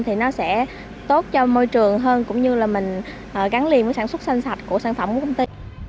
thì nó sẽ tốt cho môi trường hơn cũng như là mình gắn liền với sản xuất xanh sạch của sản phẩm của công ty